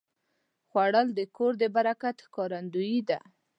خوړل د کور د برکت ښکارندویي ده